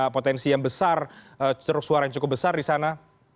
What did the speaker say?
potensi yang besar ceruk suara yang cukup besar di sana